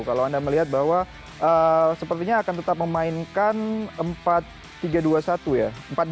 kalau anda melihat bahwa sepertinya akan tetap memainkan tiga dua satu ya